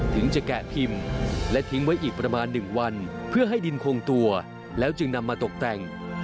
ถึงจะแกะพิมพ์และทิ้งไว้อีกประมาณ๑วันเพื่อให้ดินคงตัวแล้วจึงนำมาตกแต่ง